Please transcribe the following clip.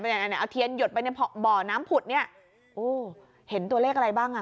เอาเทียนหยดไปในบ่อน้ำผุดเนี่ยโอ้เห็นตัวเลขอะไรบ้างอ่ะ